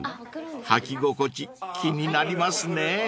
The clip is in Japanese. ［履き心地気になりますね］